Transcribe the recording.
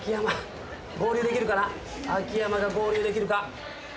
秋山が合流できるか？